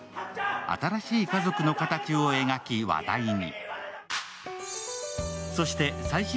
新しい家族の形を描き話題に。